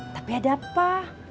tapi ada apa